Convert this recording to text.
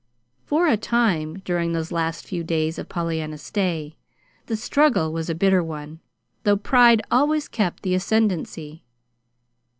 For a time, during those last few days of Pollyanna's stay, the struggle was a bitter one, though pride always kept the ascendancy.